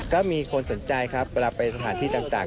ก็มีคนสนใจครับเวลาไปสถานที่ต่าง